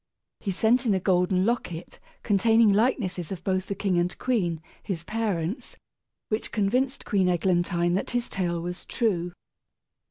He sent in a golden locket containing likenesses of both the king and queen, his parents, which convinced Queen Eglantine that his tale was true.